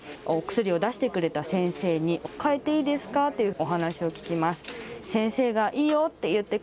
そのあとにお薬を出してくれた先生に変えていいですかってお話を聞きます。